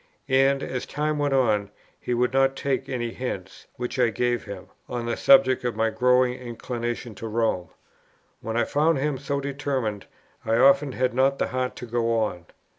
And, as time went on, he would not take any hints, which I gave him, on the subject of my growing inclination to Rome. When I found him so determined, I often had not the heart to go on.